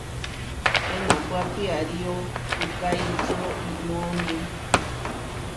Enápua piarío puʼká ičió iʼnómia.